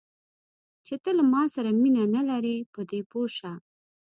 چې ته له ما سره مینه نه لرې، په دې پوه شه.